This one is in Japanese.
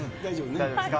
大丈夫ですか。